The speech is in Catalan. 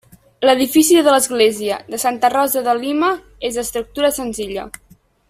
L'edifici de l'església de Santa Rosa de Lima és d'estructura senzilla.